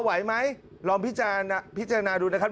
พอไหวไหมลองพิจารณาพิจารณาดูนะครับ